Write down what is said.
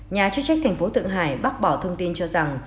nhà chức trách thành phố thượng hải bác bỏ thông tin cho rằng